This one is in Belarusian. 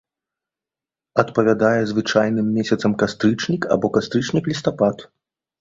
Адпавядае звычайным месяцам кастрычнік або кастрычнік-лістапад.